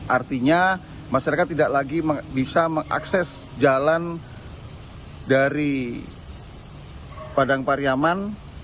artinya masyarakat tidak lagi bisa mengakses jalan dari padang pariaman